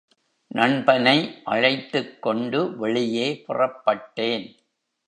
நண்பனை அழைத்துக்கொண்டு வெளியே புறப்பட்டேன்.